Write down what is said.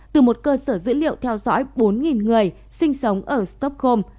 từ một cơ sở dữ liệu theo dõi bốn người sinh sống ở stockholm